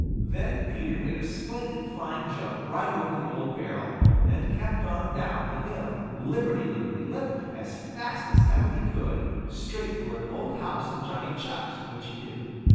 Then Peter made a splendid flying jump right over the old barrel and kept on down the hill, lipperty lipperty lip, as fast as ever he could, straight for an old house of Johnny Chuck's of which he knew.